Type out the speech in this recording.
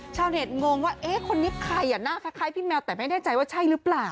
ชาวเน็ตงงว่าเอ๊ะคนนี้ใครหน้าคล้ายพี่แมวแต่ไม่แน่ใจว่าใช่หรือเปล่า